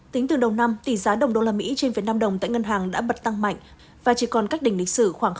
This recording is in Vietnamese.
tính từ đầu năm tỷ giá usd vnđ tại ngân hàng đã bật tăng mạnh và chỉ còn cách đỉnh lịch sử khoảng năm